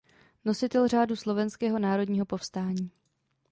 Nositel Řádu Slovenského národního povstání.